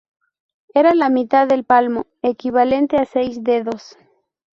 Era la mitad del palmo, equivalente a seis dedos.